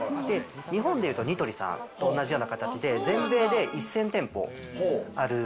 日本でいうとニトリさんと同じような形で、全米で１０００店舗ある。